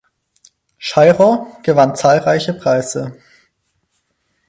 Schairer gewann zahlreiche Preise.